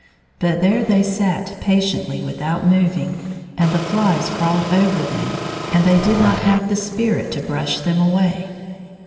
But there they sat patiently without moving, and the flies crawled over them, and they did not have 50 the spirit to brush them away.